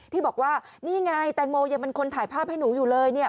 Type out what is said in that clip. ที่บอกว่านี่ไงแตงโมยังเป็นคนถ่ายภาพให้หนูอยู่เลยเนี่ย